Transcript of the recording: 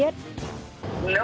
dễ sử dụng